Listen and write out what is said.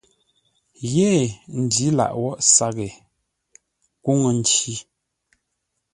Yé ndǐ lâʼ wóghʼ saghʼ héee kúŋə́-nci.